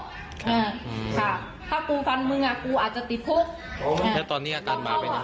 อือค่ะถ้ากูฟันมึงอ่ะกูอาจจะติดภูกร์แต่ตอนนี้อาการบาปเป็นไง